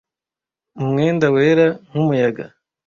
mu mwenda wera nk'umuyaga